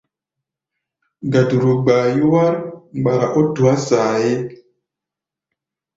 Gaduru gbaa yúwár mgbara ó tuá saayé.